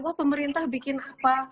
wah pemerintah bikin apa